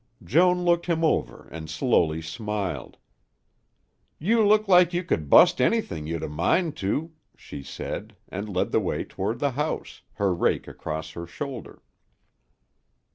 Joan looked him over and slowly smiled. "You look like you could bust anything you'd a mind to," she said, and led the way toward the house, her rake across her shoulder.